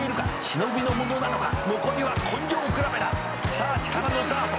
「さあ力のダート